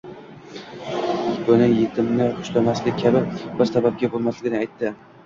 buni yetnmni xushlamaslik kabi bir sababga bog'lamasligini aytdi.